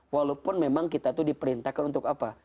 walaupun memang kita itu diperintahkan untuk apa